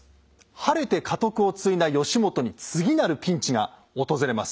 晴れて家督を継いだ義元に次なるピンチが訪れます。